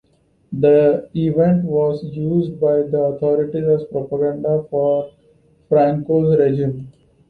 The event was used by the authorities as propaganda for Franco's regime.